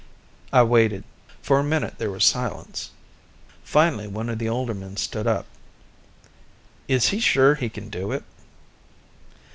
I waited. For a minute there was silence. Finally one of the older men stood up. "Is he sure he can do it?"